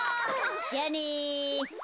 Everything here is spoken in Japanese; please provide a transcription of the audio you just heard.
じゃあね。